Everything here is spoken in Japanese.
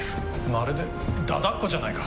まるで駄々っ子じゃないか！